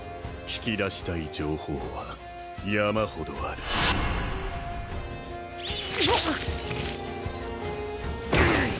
聞き出したい情報は山ほどあるうっ！